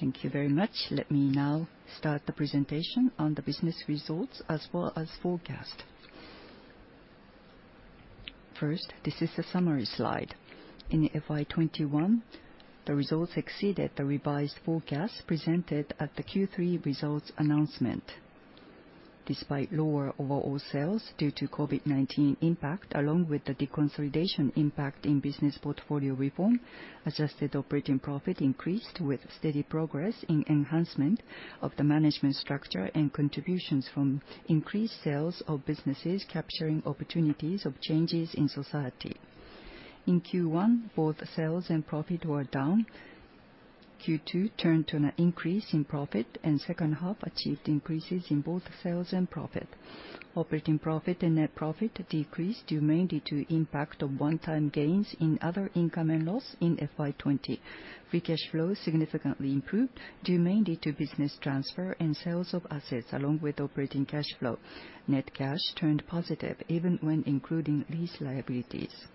Thank you very much. Let me now start the presentation on the business results as well as forecast. First, this is the summary slide. In FY 2021, the results exceeded the revised forecast presented at the Q3 results announcement. Despite lower overall sales due to COVID-19 impact, along with the deconsolidation impact in business portfolio reform, adjusted operating profit increased with steady progress in enhancement of the management structure and contributions from increased sales of businesses capturing opportunities of changes in society. In Q1, both sales and profit were down. Q2 turned to an increase in profit. Second half achieved increases in both sales and profit. Operating profit and net profit decreased due mainly to impact of one-time gains in other income and loss in FY 2020. Free cash flow significantly improved due mainly to business transfer and sales of assets along with operating cash flow. Net cash turned positive even when including lease liabilities.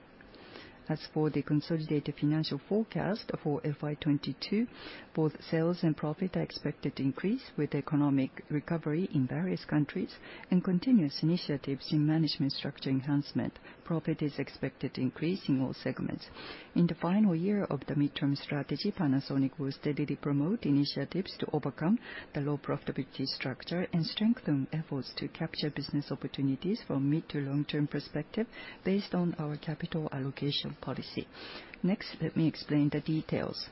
As for the consolidated financial forecast for FY 2022, both sales and profit are expected to increase with economic recovery in various countries and continuous initiatives in management structure enhancement. Profit is expected to increase in all segments. In the final year of the mid-term strategy, Panasonic will steadily promote initiatives to overcome the low profitability structure and strengthen efforts to capture business opportunities from mid to long-term perspective based on our capital allocation policy. Next, let me explain the details.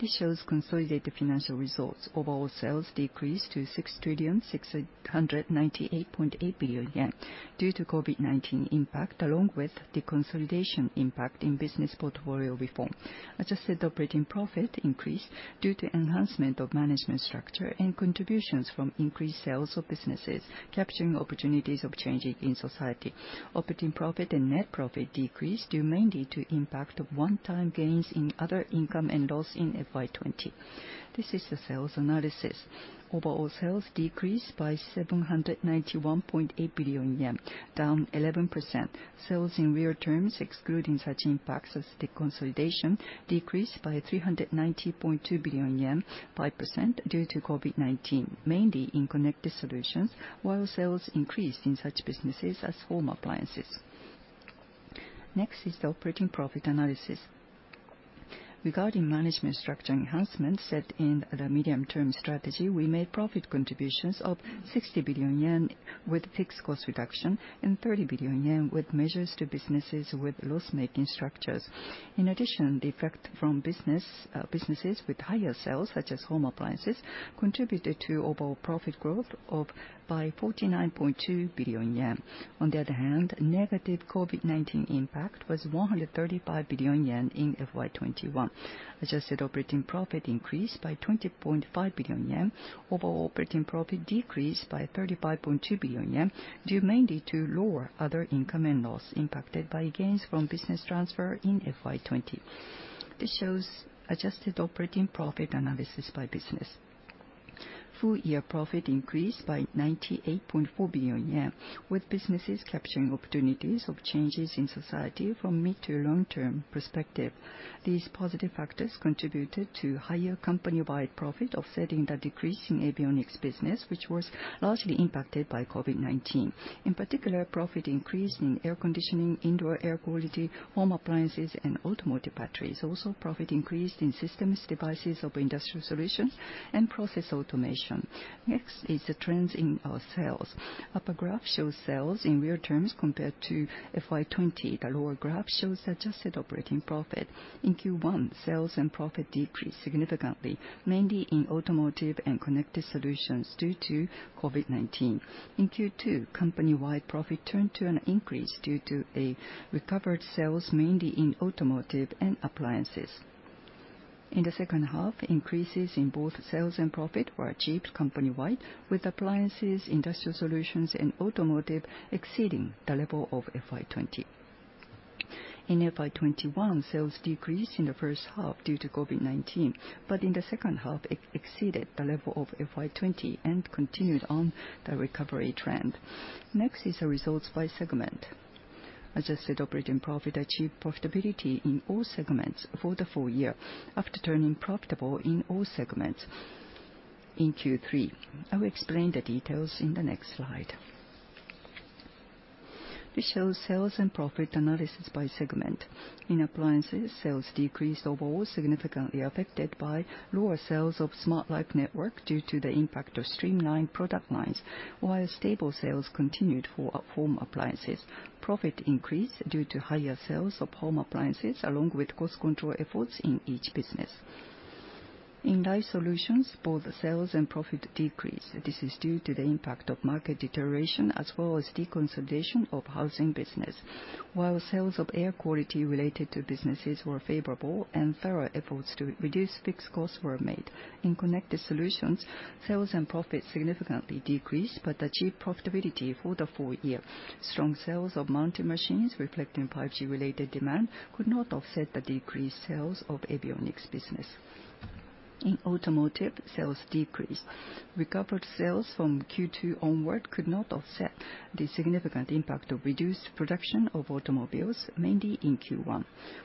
This shows consolidated financial results. Overall sales decreased to 6,698.8 billion yen due to COVID-19 impact, along with deconsolidation impact in business portfolio reform. Adjusted operating profit increased due to enhancement of management structure and contributions from increased sales of businesses capturing opportunities of changes in society. Operating profit and net profit decreased due mainly to impact of one-time gains in other income and loss in FY 2020. This is the sales analysis. Overall sales decreased by 791.8 billion yen, down 11%. Sales in real terms, excluding such impacts as deconsolidation, decreased by 390.2 billion yen, 5% due to COVID-19, mainly in Connected Solutions, while sales increased in such businesses as home appliances. Next is the operating profit analysis. Regarding management structure enhancement set in the mid-term strategy, we made profit contributions of 60 billion yen with fixed cost reduction and 30 billion yen with measures to businesses with loss-making structures. In addition, the effect from businesses with higher sales, such as home appliances, contributed to overall profit growth by 49.2 billion yen. On the other hand, negative COVID-19 impact was 135 billion yen in FY 2021. adjusted operating profit increased by 20.5 billion yen. Overall operating profit decreased by 35.2 billion yen, due mainly to lower other income and loss impacted by gains from business transfer in FY 2020. This shows adjusted operating profit analysis by business. Full-year profit increased by 98.4 billion yen, with businesses capturing opportunities of changes in society from mid to long term perspective. These positive factors contributed to higher company-wide profit offsetting the decrease in Avionics business, which was largely impacted by COVID-19. In particular, profit increased in air conditioning, indoor air quality, home appliances, and Automotive batteries. Also, profit increased in systems, devices of Industrial Solutions, and process automation. Next is the trends in our sales. Upper graph shows sales in real terms compared to FY 2020. The lower graph shows adjusted operating profit. In Q1, sales and profit decreased significantly, mainly in Automotive and Connected Solutions due to COVID-19. In Q2, company-wide profit turned to an increase due to recovered sales, mainly in Automotive and Appliances. In the second half, increases in both sales and profit were achieved company-wide, with Appliances, Industrial Solutions, and Automotive exceeding the level of FY 2020. In FY 2021, sales decreased in the first half due to COVID-19, but in the second half, it exceeded the level of FY 2020 and continued on the recovery trend. Next is the results by segment. Adjusted operating profit achieved profitability in all segments for the full year after turning profitable in all segments in Q3. I will explain the details in the next slide. This shows sales and profit analysis by segment. In Appliances, sales decreased overall, significantly affected by lower sales of Smart Life Network due to the impact of streamlined product lines, while stable sales continued for home appliances. Profit increased due to higher sales of home appliances along with cost control efforts in each business. In Life Solutions, both sales and profit decreased. This is due to the impact of market deterioration as well as deconsolidation of housing business, while sales of air quality related to businesses were favorable and thorough efforts to reduce fixed costs were made. In Connected Solutions, sales and profit significantly decreased but achieved profitability for the full year. Strong sales of mounting machines reflecting 5G related demand could not offset the decreased sales of Avionics business. In Automotive, sales decreased. Recovered sales from Q2 onward could not offset the significant impact of reduced production of automobiles, mainly in Q1.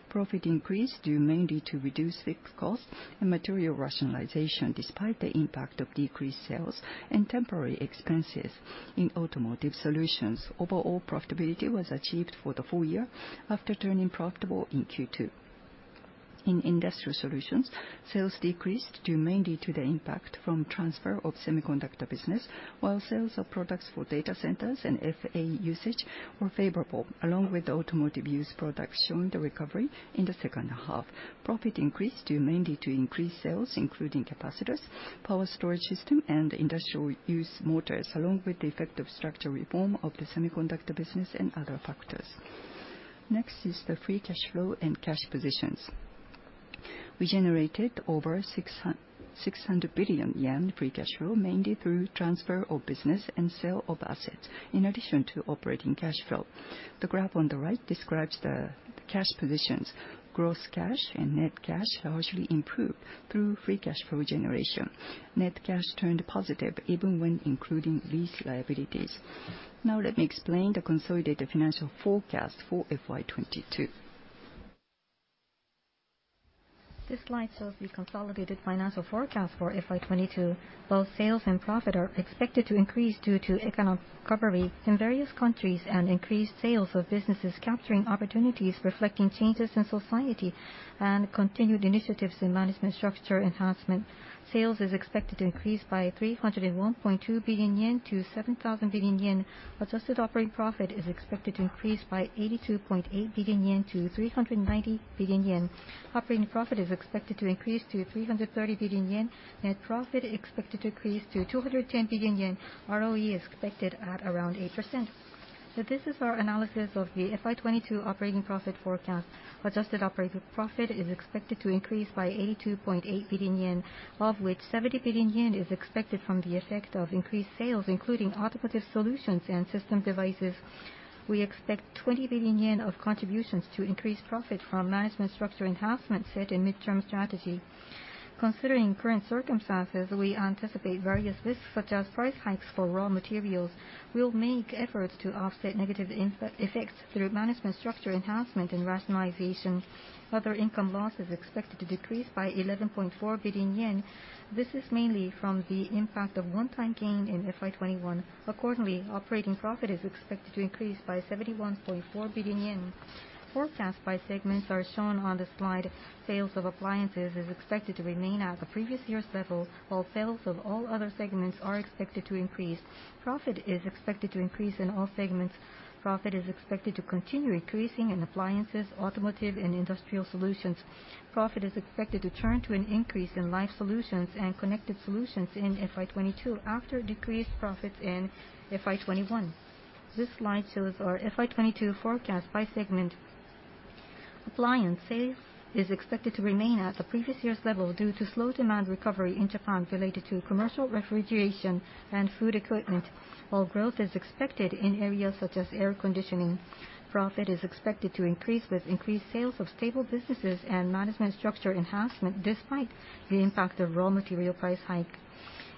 Profit increased due mainly to reduced fixed costs and material rationalization, despite the impact of decreased sales and temporary expenses. In Automotive solutions, overall profitability was achieved for the full year after turning profitable in Q2. In Industrial Solutions, sales decreased due mainly to the impact from transfer of semiconductor business, while sales of products for data centers and FA usage were favorable, along with Automotive use products showing recovery in the second half. Profit increased due mainly to increased sales, including capacitors, power storage system, and industrial use motors, along with the effective structural reform of the semiconductor business and other factors. Next is the free cash flow and cash positions. We generated over 600 billion yen free cash flow, mainly through transfer of business and sale of assets, in addition to operating cash flow. The graph on the right describes the cash positions. Gross cash and net cash largely improved through free cash flow generation. Net cash turned positive even when including lease liabilities. Let me explain the consolidated financial forecast for FY 2022. This slide shows the consolidated financial forecast for FY 2022. Both sales and profit are expected to increase due to economic recovery in various countries and increased sales of businesses capturing opportunities reflecting changes in society and continued initiatives in management structure enhancement. Sales are expected to increase by 301.2 billion yen to 7,000 billion yen. Adjusted operating profit is expected to increase by 82.8 billion yen to 390 billion yen. Operating profit is expected to increase to 330 billion yen. Net profit is expected to increase to 210 billion yen. ROE is expected at around 8%. This is our analysis of the FY 2022 operating profit forecast. Adjusted operating profit is expected to increase by 82.8 billion yen, of which 70 billion yen is expected from the effect of increased sales, including Automotive solutions and system devices. We expect 20 billion yen of contributions to increased profit from management structure enhancements set in mid-term strategy. Considering current circumstances, we anticipate various risks, such as price hikes for raw materials. We'll make efforts to offset negative effects through management structure enhancement and rationalization. Other income loss is expected to decrease by 11.4 billion yen. This is mainly from the impact of one-time gain in FY 2021. Accordingly, operating profit is expected to increase by 71.4 billion yen. Forecasts by segments are shown on the slide. Sales of Appliances are expected to remain at the previous year's level, while sales of all other segments are expected to increase. Profit is expected to increase in all segments. Profit is expected to continue increasing in Appliances, Automotive, and Industrial Solutions. Profit is expected to turn to an increase in Life Solutions and Connected Solutions in FY 2022 after decreased profits in FY 2021. This slide shows our FY 2022 forecast by segment. Appliance sales are expected to remain at the previous year's level due to slow demand recovery in Japan related to commercial refrigeration and food equipment. While growth is expected in areas such as air conditioning. Profit is expected to increase with increased sales of stable businesses and management structure enhancement, despite the impact of raw material price hike.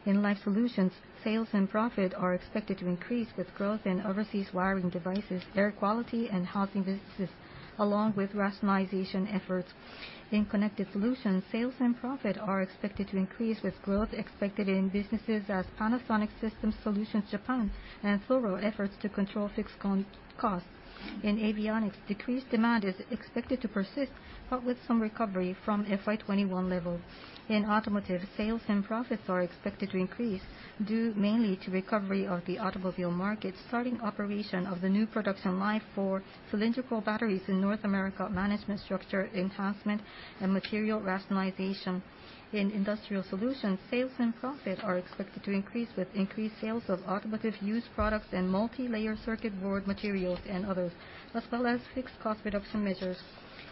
In Life Solutions, sales and profit are expected to increase with growth in overseas wiring devices, air quality, and housing businesses, along with rationalization efforts. In Connected Solutions, sales and profit are expected to increase, with growth expected in businesses such as Panasonic System Solutions Japan and thorough efforts to control fixed costs. In Avionics, decreased demand is expected to persist, but with some recovery from FY 2021 levels. In Automotive, sales and profits are expected to increase due mainly to recovery of the automobile market, starting operation of the new production line for cylindrical batteries in North America, management structure enhancement, and material rationalization. In Industrial Solutions, sales and profit are expected to increase with increased sales of Automotive use products and multilayer circuit board materials and others, as well as fixed cost reduction measures.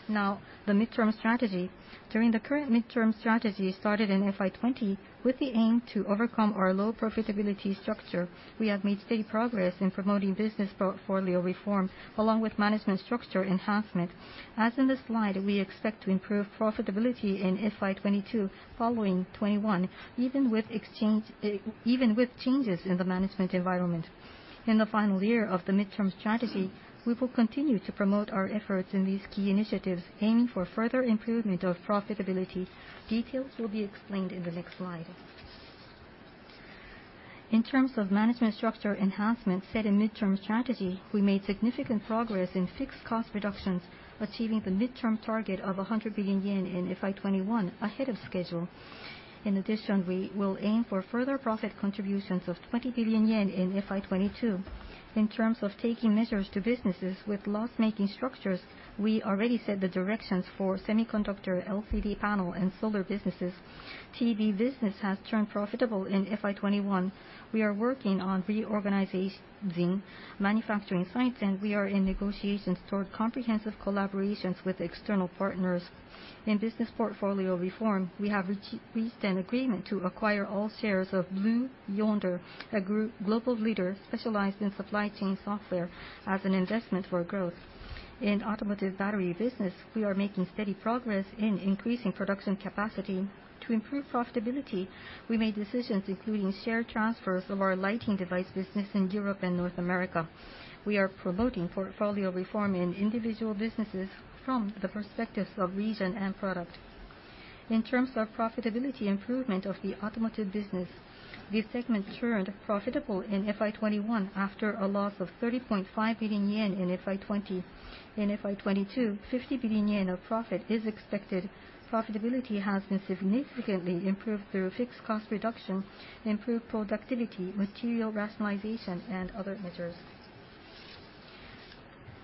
Now, the mid-term strategy. During the current mid-term strategy started in FY 2020 with the aim to overcome our low profitability structure, we have made steady progress in promoting business portfolio reform along with management structure enhancement. As in the slide, we expect to improve profitability in FY 2022 following 2021, even with changes in the management environment. In the final year of the mid-term strategy, we will continue to promote our efforts in these key initiatives, aiming for further improvement of profitability. Details will be explained in the next slide. In terms of management structure enhancements set in mid-term strategy, we made significant progress in fixed cost reductions, achieving the mid-term target of 100 billion yen in FY 2021 ahead of schedule. In addition, we will aim for further profit contributions of 20 billion yen in FY 2022. In terms of taking measures to businesses with loss-making structures, we already set the directions for semiconductor, LCD panel, and solar businesses. TV business has turned profitable in FY 2021. We are working on reorganizing manufacturing sites, and we are in negotiations toward comprehensive collaborations with external partners. In business portfolio reform, we have reached an agreement to acquire all shares of Blue Yonder, a global leader specialized in supply chain software, as an investment for growth. In Automotive battery business, we are making steady progress in increasing production capacity. To improve profitability, we made decisions including share transfers of our lighting device business in Europe and North America. We are promoting portfolio reform in individual businesses from the perspectives of region and product. In terms of profitability improvement of the Automotive business, this segment turned profitable in FY 2021 after a loss of 30.5 billion yen in FY 2020. In FY 2022, 50 billion yen of profit is expected. Profitability has been significantly improved through fixed cost reduction, improved productivity, material rationalization, and other measures.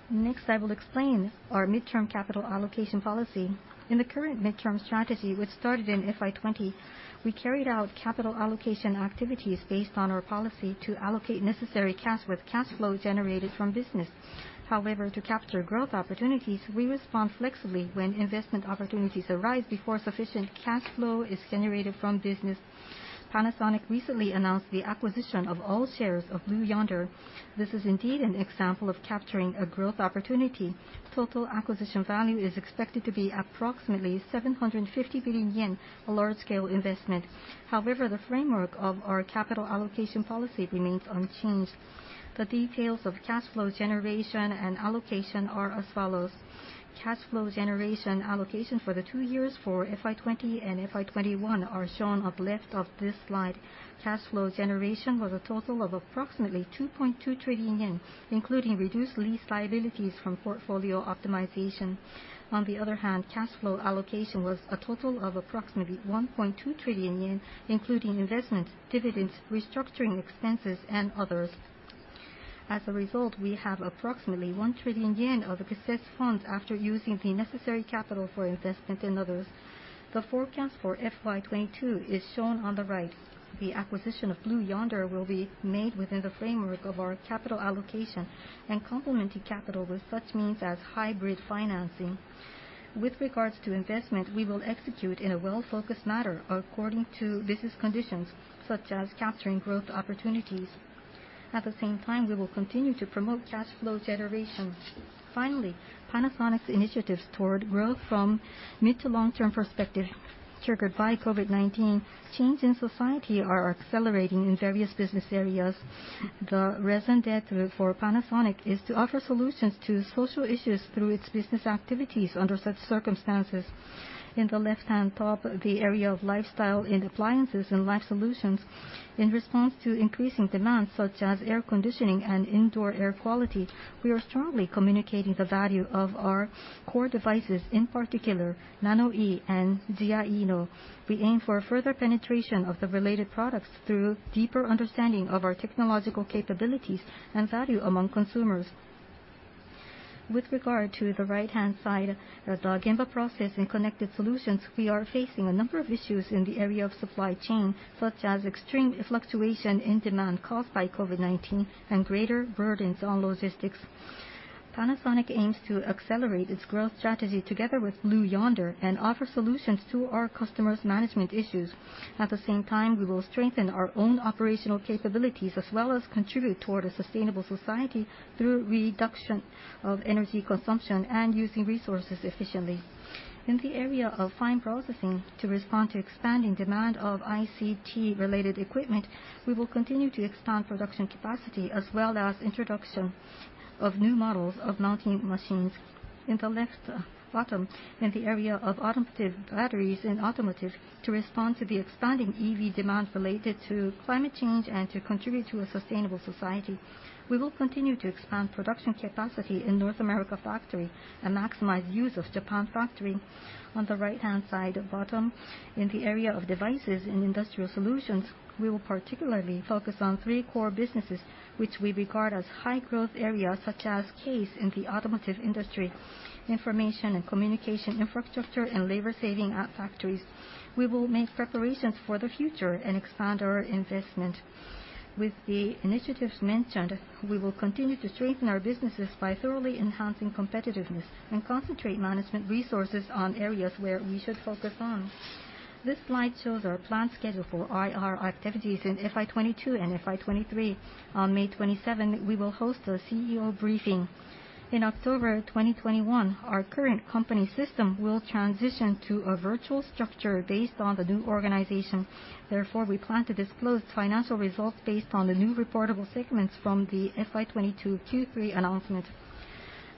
Next, I will explain our mid-term capital allocation policy. In the current mid-term strategy, which started in FY 2020, we carried out capital allocation activities based on our policy to allocate necessary cash with cash flow generated from business. However, to capture growth opportunities, we respond flexibly when investment opportunities arise before sufficient cash flow is generated from business. Panasonic recently announced the acquisition of all shares of Blue Yonder. This is indeed an example of capturing a growth opportunity. Total acquisition value is expected to be approximately 750 billion yen, a large-scale investment. However, the framework of our capital allocation policy remains unchanged. The details of cash flow generation and allocation are as follows: Cash flow generation allocation for the two years for FY 2020 and FY 2021 are shown on the left of this slide. Cash flow generation was a total of approximately 2.2 trillion yen, including reduced lease liabilities from portfolio optimization. On the other hand, cash flow allocation was a total of approximately 1.2 trillion yen, including investments, dividends, restructuring expenses, and others. As a result, we have approximately 1 trillion yen of excess funds after using the necessary capital for investment and others. The forecast for FY 2022 is shown on the right. The acquisition of Blue Yonder will be made within the framework of our capital allocation and complemented capital with such means as hybrid financing. With regards to investment, we will execute in a well-focused manner according to business conditions, such as capturing growth opportunities. At the same time, we will continue to promote cash flow generation. Finally, Panasonic's initiatives toward growth from mid to long-term perspective triggered by COVID-19. Change in society are accelerating in various business areas. The raison d'être for Panasonic is to offer solutions to social issues through its business activities under such circumstances. In the left-hand top, the area of lifestyle and Appliances and Life Solutions in response to increasing demands such as air conditioning and indoor air quality, we are strongly communicating the value of our core devices, in particular nanoe and ziaino. We aim for further penetration of the related products through deeper understanding of our technological capabilities and value among consumers. With regard to the right-hand side, the Gemba Process and Connected Solutions, we are facing a number of issues in the area of supply chain, such as extreme fluctuation in demand caused by COVID-19 and greater burdens on logistics. Panasonic aims to accelerate its growth strategy together with Blue Yonder and offer solutions to our customers' management issues. At the same time, we will strengthen our own operational capabilities as well as contribute toward a sustainable society through reduction of energy consumption and using resources efficiently. In the area of fine processing to respond to expanding demand of ICT-related equipment, we will continue to expand production capacity as well as introduction of new models of mounting machines. In the left bottom, in the area of Automotive batteries and Automotive to respond to the expanding EV demand related to climate change and to contribute to a sustainable society, we will continue to expand production capacity in North America factory and maximize use of Japan factory. On the right-hand side bottom, in the area of devices in Industrial Solutions, we will particularly focus on three core businesses, which we regard as high-growth areas such as CASE in the automotive industry, information and communication infrastructure, and labor-saving at factories. We will make preparations for the future and expand our investment. With the initiatives mentioned, we will continue to strengthen our businesses by thoroughly enhancing competitiveness and concentrate management resources on areas where we should focus on. This slide shows our planned schedule for IR activities in FY 2022 and FY 2023. On May 27, we will host a CEO briefing. In October 2021, our current company system will transition to a virtual structure based on the new organization. We plan to disclose financial results based on the new reportable segments from the FY 2022 Q3 announcement.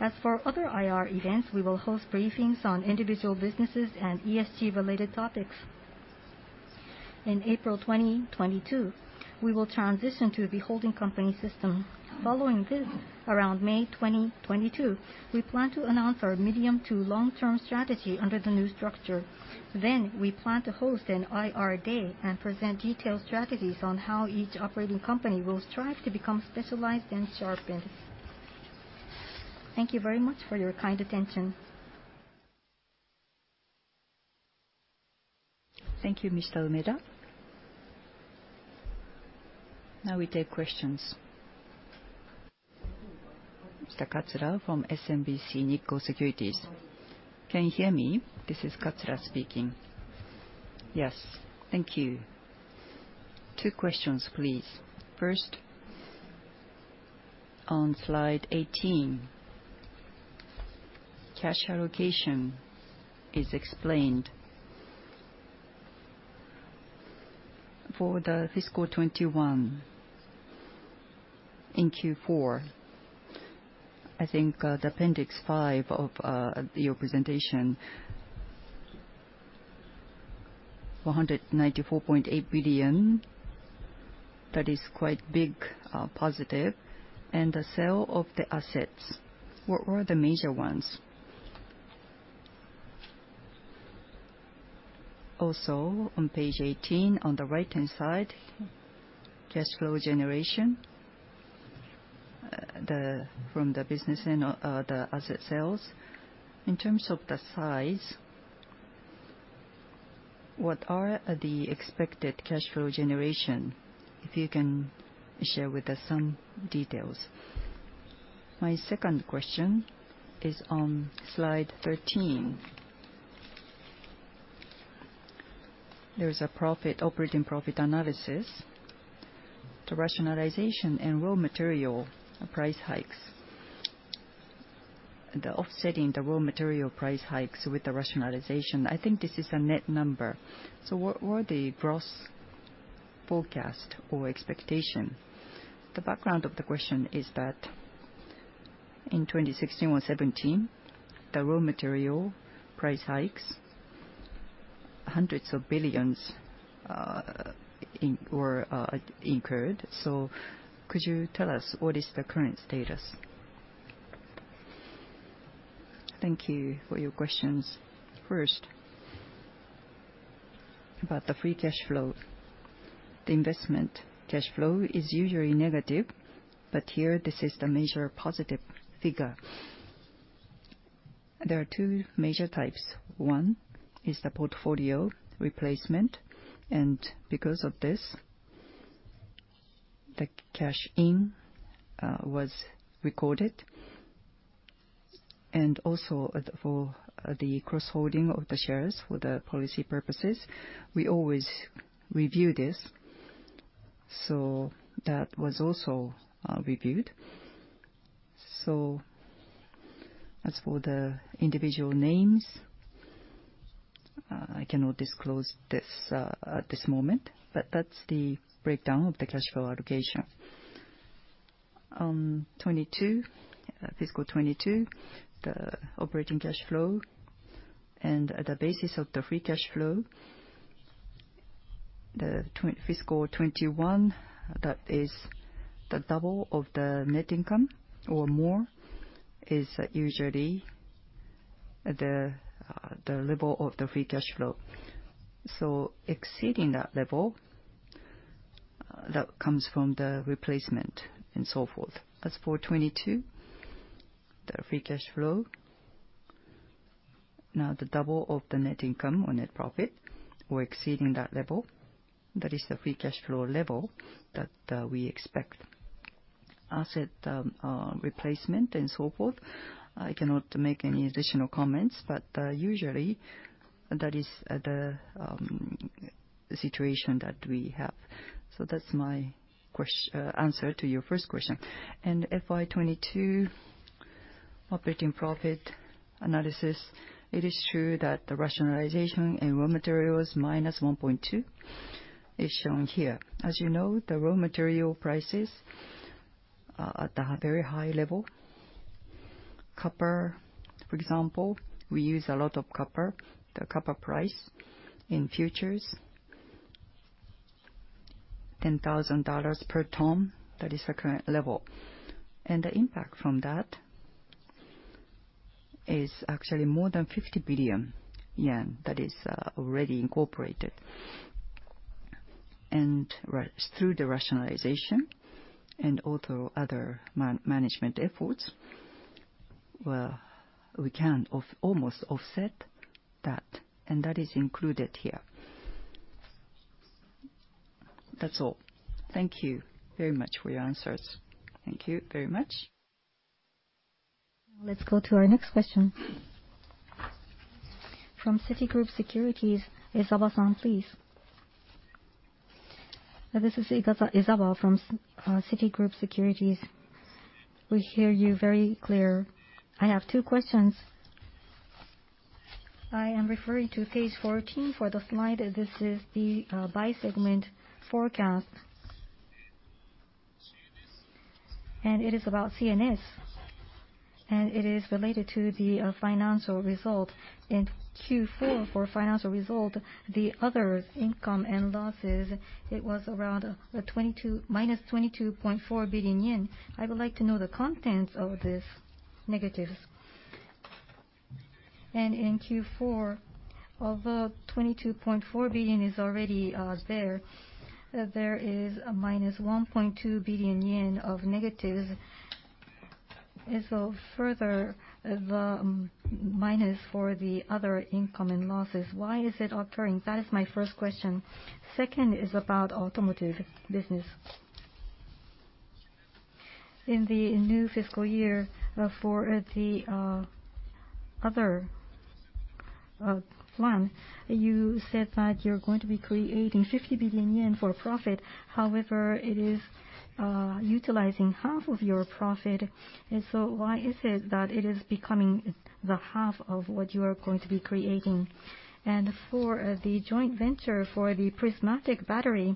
As for other IR events, we will host briefings on individual businesses and ESG-related topics. In April 2022, we will transition to the holding company system. Following this, around May 2022, we plan to announce our medium to long-term strategy under the new structure. We plan to host an IR day and present detailed strategies on how each operating company will strive to become specialized and sharpened. Thank you very much for your kind attention. Thank you, Mr. Umeda. Now we take questions. Mr. Katsura from SMBC Nikko Securities. Can you hear me? This is Katsura speaking. Yes. Thank you. Two questions, please. First, on slide 18, cash allocation is explained. For the fiscal 2021 in Q4, I think the Appendix 5 of your presentation, 194.8 billion, that is quite big positive. The sale of the assets, what were the major ones? Also, on page 18, on the right-hand side, cash flow generation from the business and the asset sales. In terms of the size, what are the expected cash flow generation? If you can share with us some details. My second question is on slide 13. There is an operating profit analysis. The rationalization and raw material price hikes. The offsetting the raw material price hikes with the rationalization, I think this is a net number. What were the gross forecast or expectation? The background of the question is that in 2016 or 2017, the raw material price hikes, hundreds of billions were incurred. Could you tell us what is the current status? Thank you for your questions. First, about the free cash flow. The investment cash flow is usually negative, but here this is the major positive figure. There are two major types. One is the portfolio replacement, and because of this, the cash in was recorded. Also, for the cross-holding of the shares for the policy purposes, we always review this. That was also reviewed. As for the individual names, I cannot disclose this at this moment. That's the breakdown of the cash flow allocation. On fiscal 2022, the operating cash flow and the basis of the free cash flow, the fiscal 2021, that is the double of the net income or more, is usually the level of the free cash flow. Exceeding that level, that comes from the replacement and so forth. As for 2022, the free cash flow, now the double of the net income or net profit. We're exceeding that level. That is the free cash flow level that we expect. Asset replacement and so forth, I cannot make any additional comments, but usually that is the situation that we have. That's my answer to your first question. FY 2022 operating profit analysis, it is true that the rationalization in raw materials, -1.2 billion, is shown here. As you know, the raw material prices are at a very high level. Copper, for example, we use a lot of copper. The copper price in futures, $10,000 per ton. That is the current level. The impact from that is actually more than 50 billion yen that is already incorporated. Through the rationalization and also other management efforts, we can almost offset that. That is included here. That's all. Thank you very much for your answers. Thank you very much. Let's go to our next question. From Citigroup Securities, Ezawa-San, please. This is Ezawa from Citigroup Securities. We hear you very clear. I have two questions. I am referring to page 14 for the slide. This is the by-segment forecast. It is about CNS. It is related to the financial result. In Q4 for financial result, the other income and losses, it was around -22.4 billion yen. I would like to know the contents of this negative. In Q4, although 22.4 billion is already there, there is a -1.2 billion yen of negative. Further the minus for the other income and losses. Why is it occurring? That is my first question. Second is about Automotive business. In the new fiscal year for the other plan, you said that you're going to be creating 50 billion yen for profit. However, it is utilizing half of your profit. Why is it that it is becoming the half of what you are going to be creating? For the joint venture for the prismatic battery,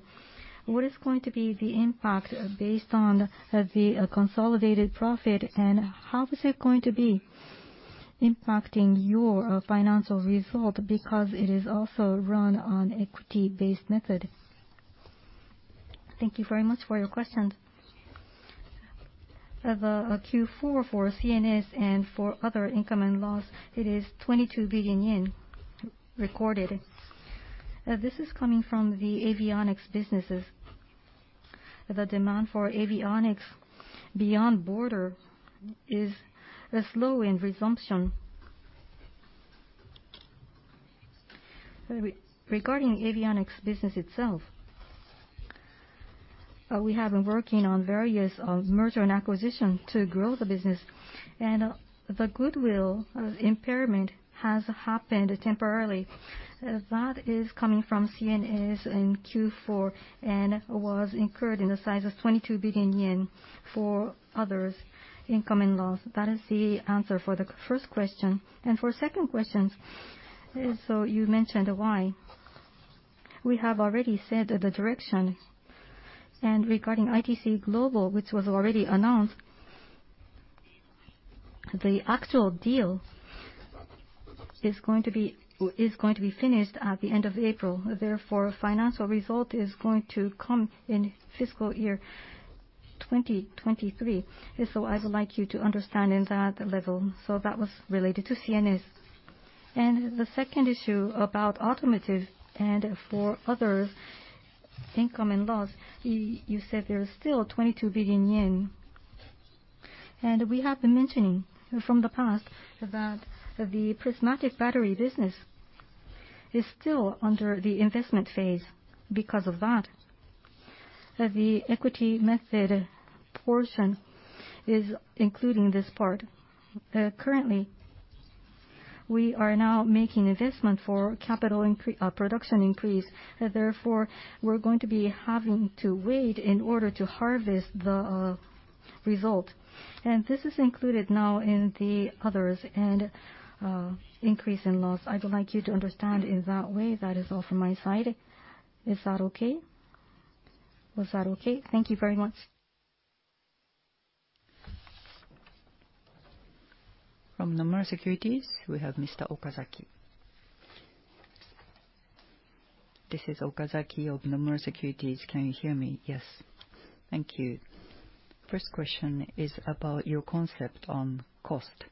what is going to be the impact based on the consolidated profit, and how is it going to be impacting your financial result? Because it is also run on equity-based method. Thank you very much for your question. The Q4 for CNS and for other income and loss, it is 22 billion yen recorded. This is coming from the Avionics businesses. The demand for Avionics beyond border is slow in resumption. Regarding Avionics business itself, we have been working on various merger and acquisition to grow the business, and the goodwill impairment has happened temporarily. That is coming from CNS in Q4 and was incurred in the size of 22 billion yen for others, income, and loss. That is the answer for the first question. For second question, you mentioned why. We have already said the direction, and regarding ITC Global, which was already announced, the actual deal is going to be finished at the end of April. Therefore, financial result is going to come in fiscal year 2023. I would like you to understand in that level. That was related to CNS. The second issue about Automotive and for other, income and loss, you said there is still 22 billion yen. We have been mentioning from the past that the prismatic battery business is still under the investment phase. Because of that, the equity method portion is including this part. Currently, we are now making investment for production increase. Therefore, we're going to be having to wait in order to harvest the result. This is included now in the others and increase in loss. I would like you to understand in that way. That is all from my side. Is that okay? Was that okay? Thank you very much. From Nomura Securities, we have Mr. Okazaki. This is Okazaki of Nomura Securities. Can you hear me? Yes. Thank you. First question is about your concept on cost.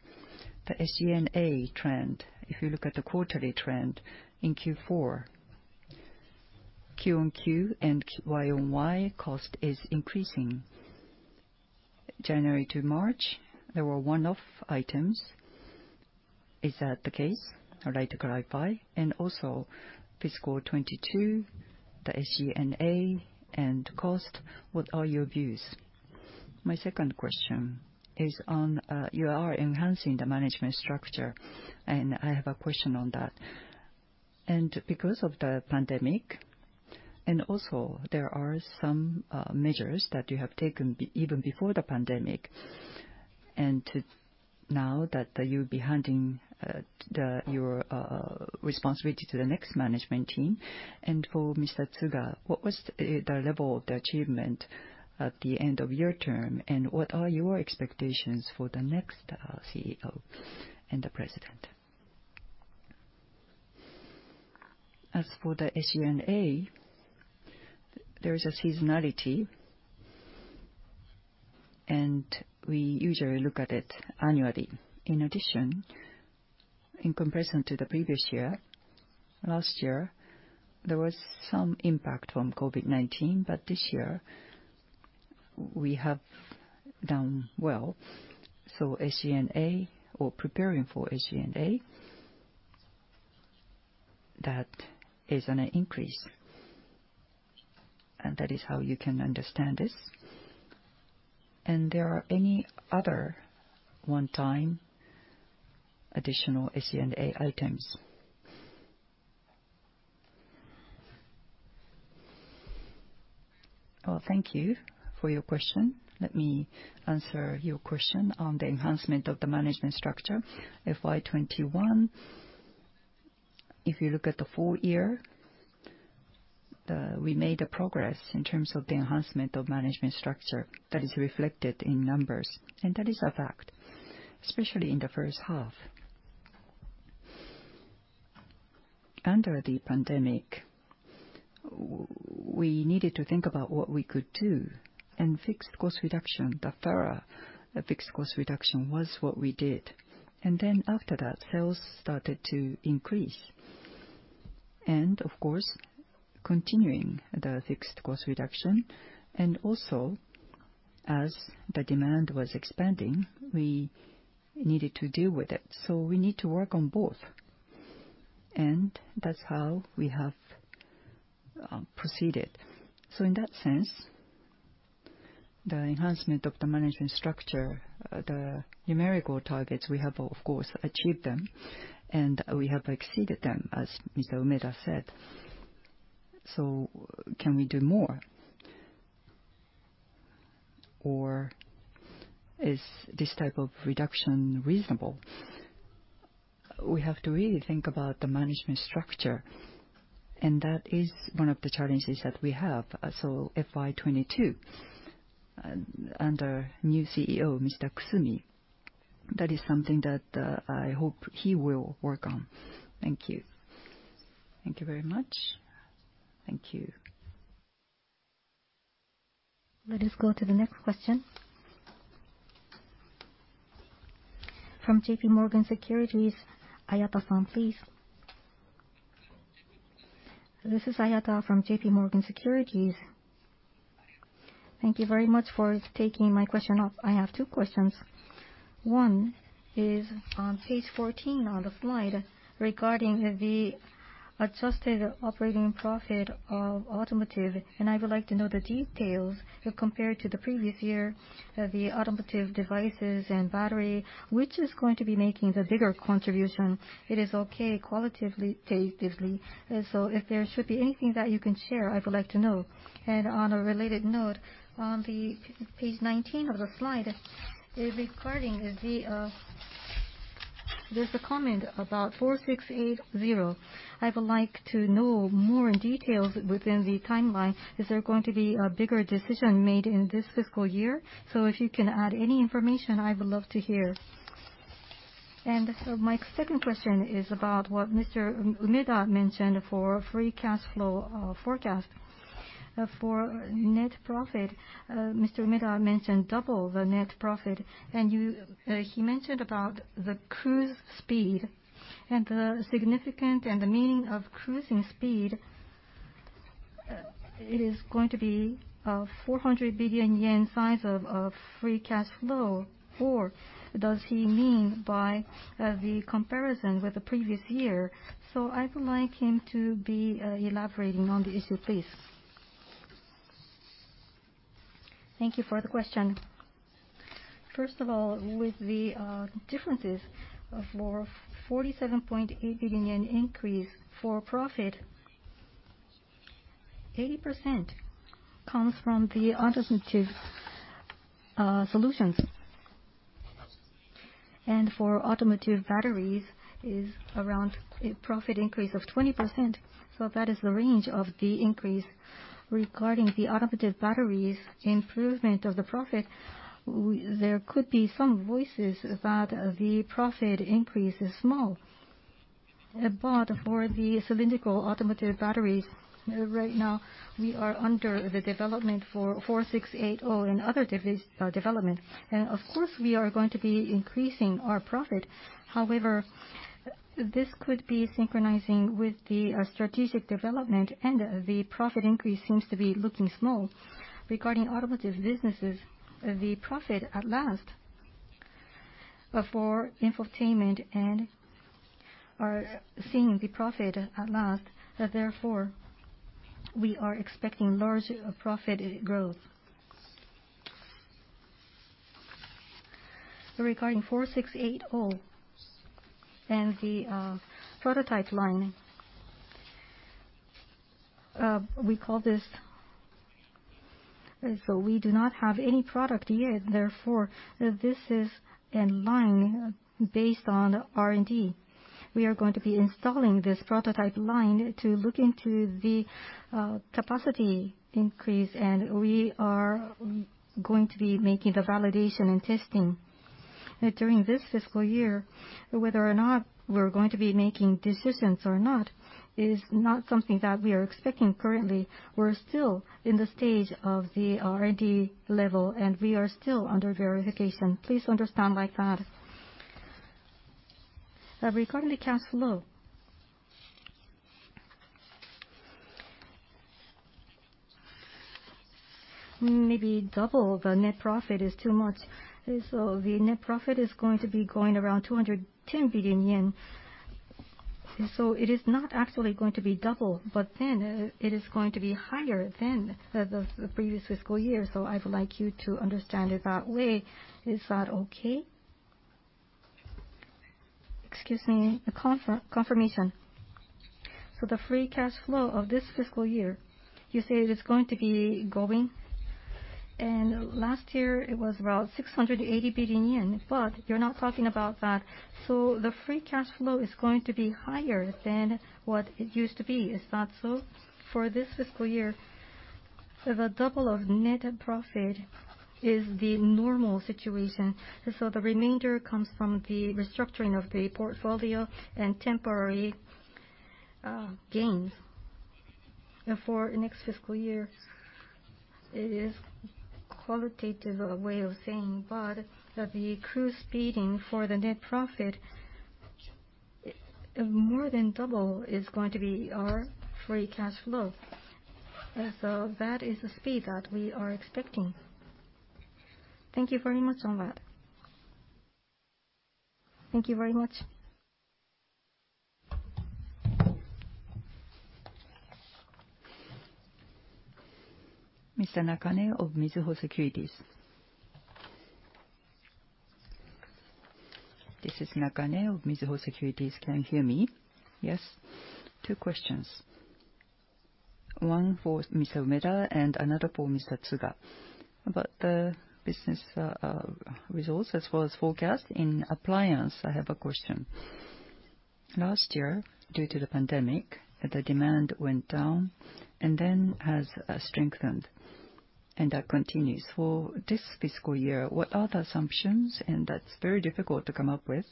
The SG&A trend, if you look at the quarterly trend in Q4, Q-on-Q and Y-on-Y cost is increasing. January to March, there were one-off items. Is that the case? I'd like to clarify. Also, fiscal 2022, the SG&A and cost, what are your views? My second question is on, you are enhancing the management structure, and I have a question on that. Because of the pandemic, and also there are some measures that you have taken even before the pandemic, and now that you'll be handing your responsibility to the next management team. For Mr. Tsuga, what was the level of the achievement at the end of your term, and what are your expectations for the next CEO and the President? As for the SG&A, there is a seasonality, and we usually look at it annually. In addition, in comparison to the previous year, last year, there was some impact from COVID-19, but this year, we have done well. SG&A or preparing for SG&A, that is an increase. That is how you can understand this. There are any other one-time additional SG&A items? Well, thank you for your question. Let me answer your question on the enhancement of the management structure. FY 2021, if you look at the full year, we made a progress in terms of the enhancement of management structure that is reflected in numbers, and that is a fact, especially in the first half. Under the pandemic, we needed to think about what we could do, and fixed cost reduction, the thorough fixed cost reduction was what we did. Then after that, sales started to increase. Of course, continuing the fixed cost reduction, and also as the demand was expanding, we needed to deal with it. We need to work on both. That's how we have proceeded. In that sense, the enhancement of the management structure, the numerical targets, we have of course achieved them, and we have exceeded them, as Mr. Umeda said. Can we do more? Or is this type of reduction reasonable? We have to really think about the management structure, and that is one of the challenges that we have. FY 2022, under new CEO, Mr. Kusumi, that is something that I hope he will work on. Thank you. Thank you very much. Thank you. Let us go to the next question. From JPMorgan Securities, Ayada San, please. This is Ayada from JPMorgan Securities. Thank you very much for taking my question. I have two questions. One is on page 14 on the slide regarding the adjusted operating profit of Automotive, I would like to know the details compared to the previous year, the Automotive devices and battery, which is going to be making the bigger contribution. It is okay qualitatively. If there should be anything that you can share, I would like to know. On a related note, on page 19 of the slide, there's a comment about 4680. I would like to know more details within the timeline. Is there going to be a bigger decision made in this fiscal year? If you can add any information, I would love to hear. My second question is about what Mr. Umeda mentioned for free cash flow forecast. For net profit, Mr. Umeda mentioned double the net profit, and he mentioned about the cruise speed and the significance and the meaning of cruising speed. It is going to be a 400 billion yen size of free cash flow, or does he mean by the comparison with the previous year? I would like him to be elaborating on the issue, please. Thank you for the question. First of all, with the differences for 47.8 billion yen increase for profit, 80% comes from the Automotive solutions. For Automotive batteries is around a profit increase of 20%, so that is the range of the increase. Regarding the Automotive batteries improvement of the profit, there could be some voices that the profit increase is small. For the cylindrical Automotive batteries, right now, we are under the development for 4680 and other development. Of course, we are going to be increasing our profit. However, this could be synchronizing with the strategic development and the profit increase seems to be looking small. Regarding Automotive businesses, the profit at last for infotainment and are seeing the profit at last. Therefore, we are expecting large profit growth. Regarding 4680 and the prototype line, we call this. We do not have any product yet, therefore, this is in line based on R&D. We are going to be installing this prototype line to look into the capacity increase, and we are going to be making the validation and testing. During this fiscal year, whether or not we're going to be making decisions or not is not something that we are expecting currently. We're still in the stage of the R&D level, and we are still under verification. Please understand like that. Regarding the cash flow, maybe double the net profit is too much. The net profit is going to be going around 210 billion yen. It is not actually going to be double, it is going to be higher than the previous fiscal year. I would like you to understand it that way. Is that okay? Excuse me, a confirmation. The free cash flow of this fiscal year, you say it is going to be growing, and last year it was around 680 billion yen, you're now talking about that. The free cash flow is going to be higher than what it used to be. Is that so? For this fiscal year, the double of net profit is the normal situation. The remainder comes from the restructuring of the portfolio and temporary gains. For next fiscal year, it is qualitative way of saying, but the cruise speeding for the net profit, more than double is going to be our free cash flow. That is the speed that we are expecting. Thank you very much on that. Thank you very much. Mr. Nakane of Mizuho Securities. This is Nakane of Mizuho Securities. Can you hear me? Yes. Two questions. One for Mr. Umeda and another for Mr. Tsuga. About the business results as well as forecast. In Appliance, I have a question. Last year, due to the pandemic, the demand went down and then has strengthened, and that continues. For this fiscal year, what are the assumptions? That's very difficult to come up with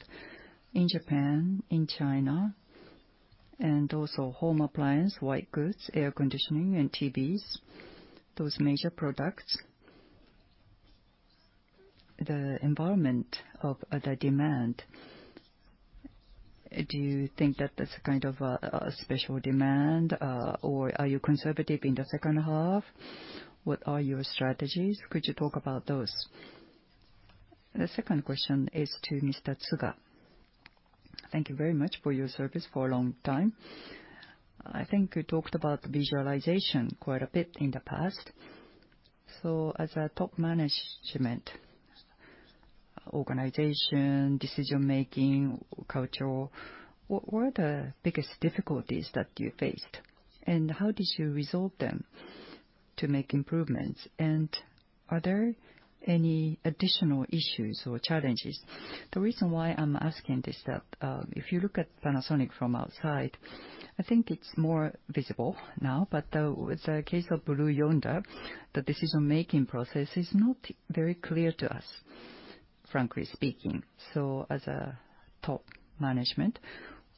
in Japan, in China, and also home appliance, white goods, air conditioning and TVs, those major products. The environment of the demand, do you think that that's a kind of a special demand, or are you conservative in the second half? What are your strategies? Could you talk about those? The second question is to Mr. Tsuga. Thank you very much for your service for a long time. I think you talked about visualization quite a bit in the past. As a top management, organization, decision-making, cultural, what were the biggest difficulties that you faced, and how did you resolve them to make improvements? Are there any additional issues or challenges? The reason why I'm asking this is that if you look at Panasonic from outside, I think it's more visible now, but with the case of Blue Yonder, the decision-making process is not very clear to us, frankly speaking. As a top management,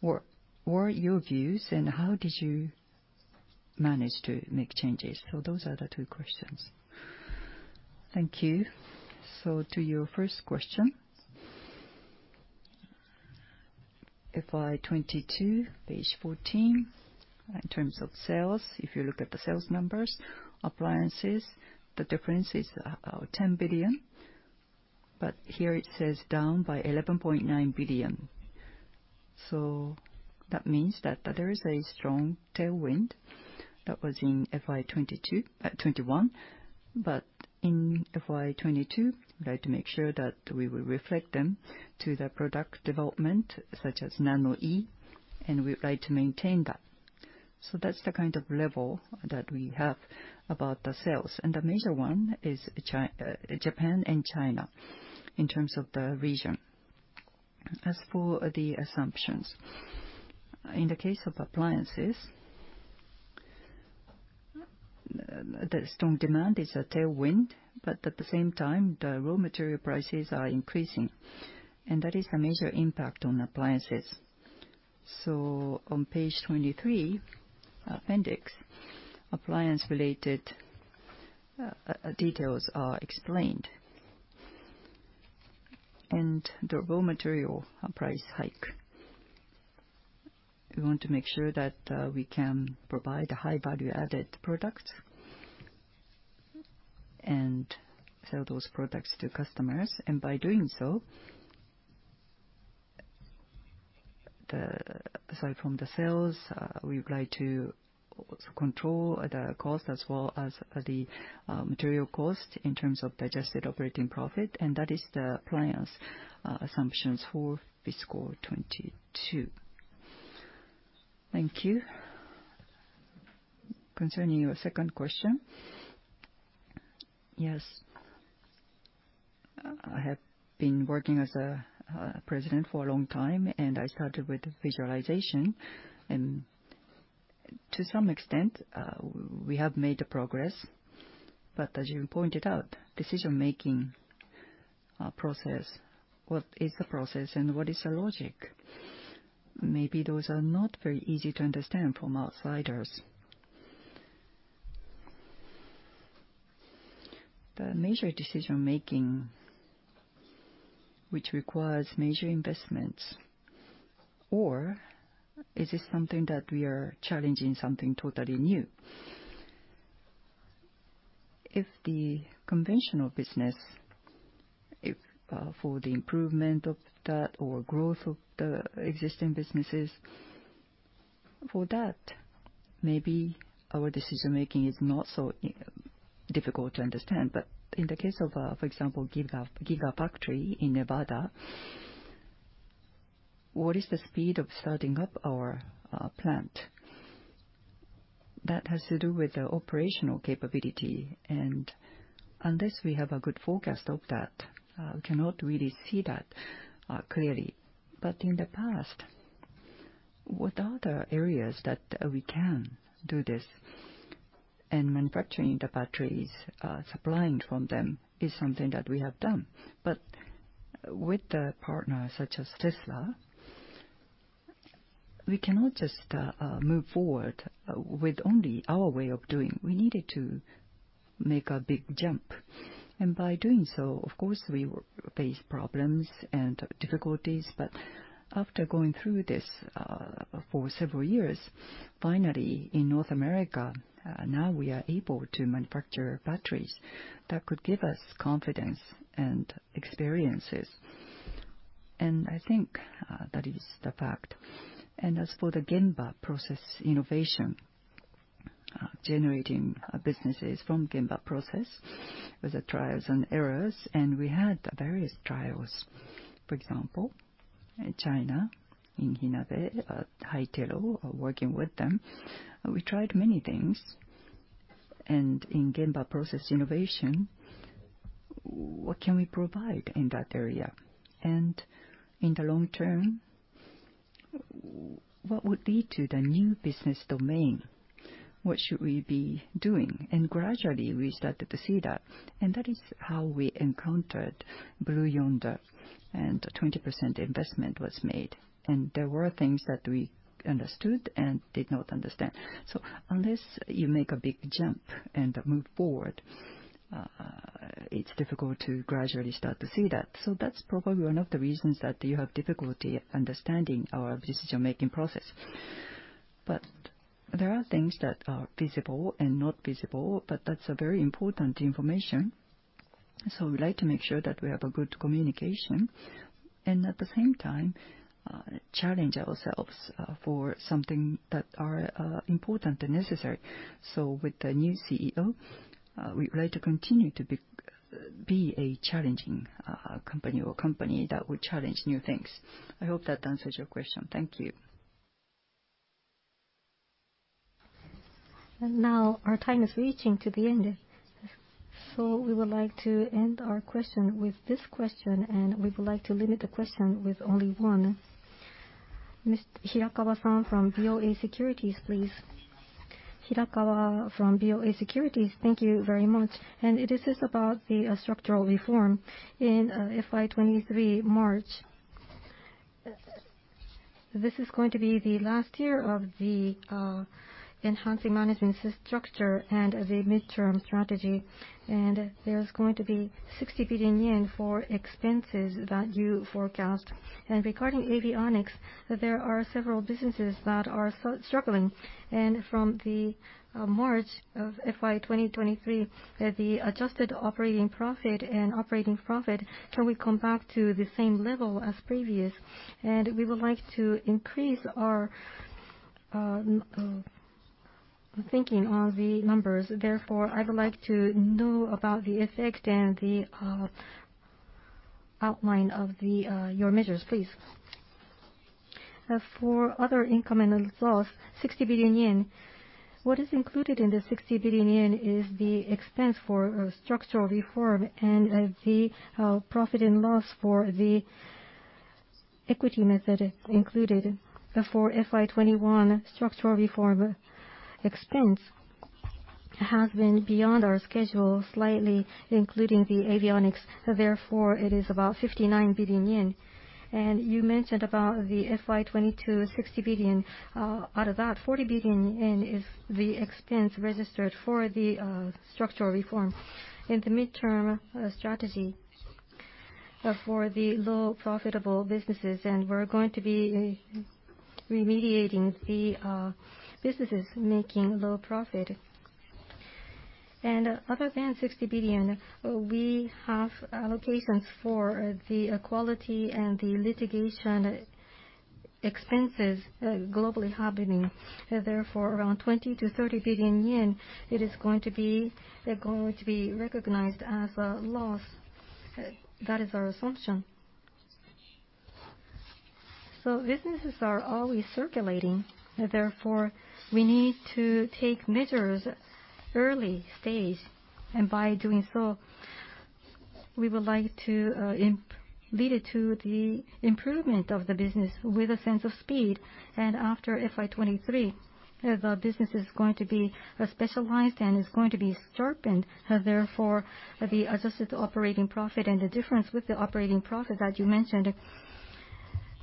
what are your views, and how did you manage to make changes? Those are the two questions. Thank you. To your first question. FY 2022, page 14. In terms of sales, if you look at the sales numbers, Appliances, the difference is 10 billion. Here it says down by 11.9 billion. That means that there is a strong tailwind that was in FY 2021. In FY 2022, we'd like to make sure that we will reflect them to the product development, such as nanoe, and we would like to maintain that. That's the kind of level that we have about the sales. The major one is Japan and China, in terms of the region. As for the assumptions, in the case of Appliances, the strong demand is a tailwind, but at the same time, the raw material prices are increasing, and that is a major impact on Appliances. On page 23, appendix, Appliance-related details are explained. The raw material price hike, we want to make sure that we can provide a high value-added product and sell those products to customers. By doing so, aside from the sales, we would like to also control the cost as well as the material cost in terms of adjusted operating profit, and that is the Appliance assumptions for fiscal 2022. Thank you. Concerning your second question, yes, I have been working as a President for a long time. I started with visualization. To some extent, we have made progress. As you pointed out, decision-making process, what is the process and what is the logic? Maybe those are not very easy to understand from outsiders. The major decision-making, which requires major investments, or is it something that we are challenging something totally new. If the conventional business, for the improvement of that or growth of the existing businesses, for that, maybe our decision-making is not so difficult to understand. In the case of, for example, Gigafactory in Nevada, what is the speed of starting up our plant? That has to do with the operational capability. Unless we have a good forecast of that, we cannot really see that clearly. In the past, with other areas that we can do this, and manufacturing the batteries, supplying from them is something that we have done. With the partners such as Tesla, we cannot just move forward with only our way of doing. We needed to make a big jump. By doing so, of course, we faced problems and difficulties. After going through this for several years, finally, in North America, now we are able to manufacture batteries that could give us confidence and experiences. I think that is the fact. As for the Gemba Process Innovation. Generating businesses from Gemba Process with the trials and errors, and we had various trials. For example, in China, in Haidilao, working with them. We tried many things. In Gemba Process Innovation, what can we provide in that area? In the long term, what would lead to the new business domain? What should we be doing? Gradually, we started to see that. That is how we encountered Blue Yonder, and 20% investment was made. There were things that we understood and did not understand. Unless you make a big jump and move forward, it's difficult to gradually start to see that. That's probably one of the reasons that you have difficulty understanding our decision-making process. There are things that are visible and not visible, but that's a very important information. We like to make sure that we have a good communication, and at the same time, challenge ourselves for something that are important and necessary. With the new CEO, we would like to continue to be a challenging company, or company that would challenge new things. I hope that answers your question. Thank you. Now our time is reaching to the end, so we would like to end our question with this question, and we would like to limit the question with only one. Mr. Hirakawa-San from BofA Securities, please. Hirakawa from BofA Securities. Thank you very much. This is about the structural reform. In FY 2023 March, this is going to be the last year of the enhancing management structure and the mid-term strategy, and there's going to be 60 billion yen for expenses that you forecast. Regarding Avionics, there are several businesses that are struggling. From the March of FY 2023, the adjusted operating profit and operating profit, can we come back to the same level as previous? We would like to increase our thinking on the numbers. Therefore, I would like to know about the effect and the outline of your measures, please. For other income and loss, 60 billion yen. What is included in the 60 billion yen is the expense for structural reform and the profit and loss for the equity method included. FY 2021, structural reform expense has been beyond our schedule slightly, including the Avionics, therefore, it is about 59 billion yen. You mentioned about the FY 2022, 60 billion. Out of that, 40 billion yen is the expense registered for the structural reform. In the mid-term strategy for the low profitable businesses, we're going to be remediating the businesses making low profit. Other than 60 billion, we have allocations for the quality and the litigation expenses globally happening. Therefore, around 20 billion-30 billion yen, it is going to be recognized as a loss. That is our assumption. Businesses are always circulating, therefore, we need to take measures early stage. By doing so, we would like to lead it to the improvement of the business with a sense of speed. After FY 2023, the business is going to be specialized and is going to be sharpened. Therefore, the adjusted operating profit and the difference with the operating profit that you mentioned,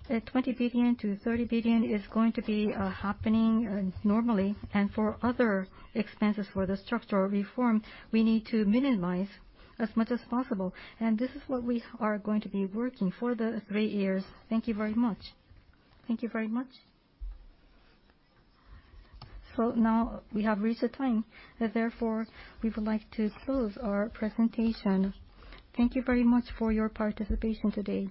20 billion-30 billion, is going to be happening normally. For other expenses for the structural reform, we need to minimize as much as possible. This is what we are going to be working for the three years. Thank you very much. Thank you very much. Now we have reached the time. Therefore, we would like to close our presentation. Thank you very much for your participation today.